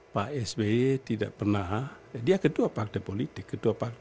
pak sby tidak pernah dia ketua partai politik ketua partai kb waktu itu